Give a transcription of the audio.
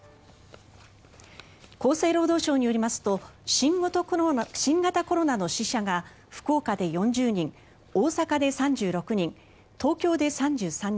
厚生労働省によりますと新型コロナの死者が福岡で４０人、大阪で３６人東京で３３人